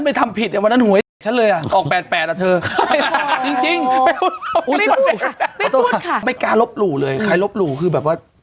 ไม่กล้าลบหลู่เลยใครลบหลู่คือแบบว่า